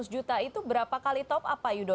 sembilan ratus juta itu berapa kali top apa yudo